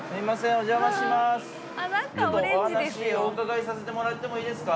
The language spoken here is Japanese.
お話お伺いさせてもらってもいいですか？